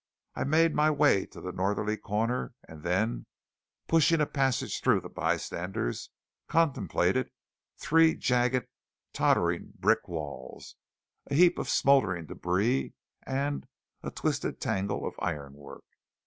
I made my way to the northerly corner, and, pushing a passage through the bystanders, contemplated three jagged, tottering brick walls, a heap of smouldering débris, and a twisted tangle of iron work.